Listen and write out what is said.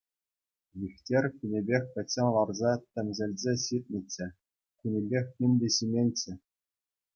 Вихтӗр кунӗпех пӗччен ларса тӗмсӗлсе ҫитнӗччӗ, кунӗпех ним те ҫименччӗ.